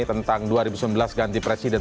tentang dua ribu sembilan belas ganti presiden